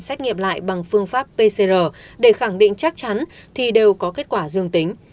xét nghiệm lại bằng phương pháp pcr để khẳng định chắc chắn thì đều có kết quả dương tính